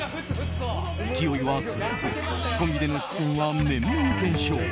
勢いは続かずコンビでの出演は年々減少。